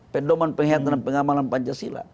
pendoman penghidupan pengamalan pancasila